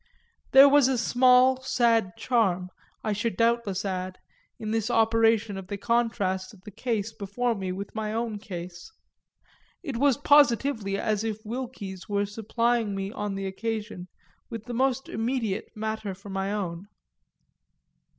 There was a small sad charm, I should doubtless add, in this operation of the contrast of the case before me with my own case; it was positively as if Wilky's were supplying me on occasion with the most immediate matter for my own.